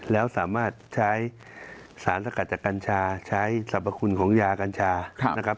แล้วสามารถใช้สารสกัดจากกัญชาใช้สรรพคุณของยากัญชานะครับ